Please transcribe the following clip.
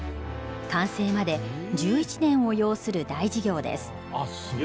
完成まで１１年を要する大事業です。